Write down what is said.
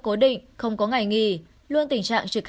cố định không có ngày nghỉ luôn tình trạng